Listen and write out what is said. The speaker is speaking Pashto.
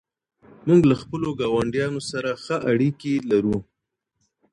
موږ له خپلو ګاونډیانو سره ښه اړیکې لرو.